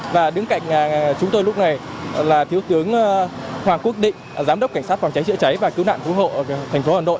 và đứng cạnh chúng tôi lúc này là thiếu tướng hoàng quốc định giám đốc cảnh sát phòng cháy chữa cháy và cứu nạn cứu hộ thành phố hà nội